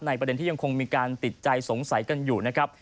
ประเด็นที่ยังคงมีการติดใจสงสัยกันอยู่นะครับ